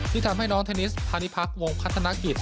ที่ทำให้น้องเทนนิสพาณิพักษ์วงพัฒนกิจ